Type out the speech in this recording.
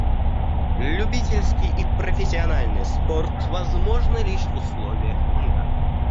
Любительский и профессиональный спорт возможны лишь в условиях мира.